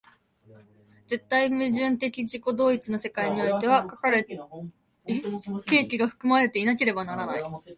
絶対矛盾的自己同一の世界においては、かかる契機が含まれていなければならない。